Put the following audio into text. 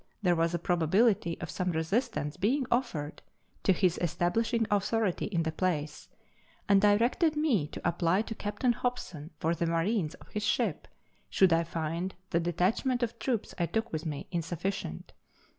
253 there was a probability of some resistance beiug offered to his establishing authority in the place, and directed me to apply to Captain Hobson for the marines of his ship, should I find the detachment of troops I took with me insufficient.